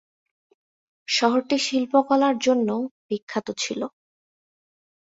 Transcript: শহরটি শিল্পকলার জন্যও বিখ্যাত ছিল।